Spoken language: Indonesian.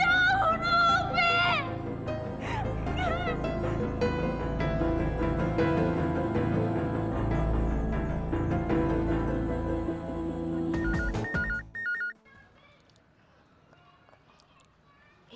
jangan bunuh opi